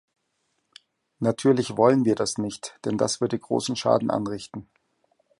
Natürlich wollen wir das nicht, denn das würde großen Schaden anrichten.